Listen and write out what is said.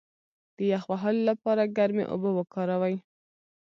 د یخ وهلو لپاره ګرمې اوبه وکاروئ